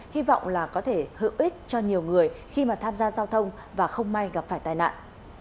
hy vọng là có thể hữu ích cho nhiều người khi mà tham gia giao thông và không may gặp phải tai nạn